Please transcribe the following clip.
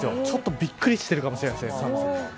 ちょっと、びっくりしているかもしれません。